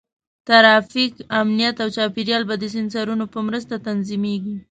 ټرافیک، امنیت، او چاپېریال به د سینسرونو په مرسته تنظیمېږي.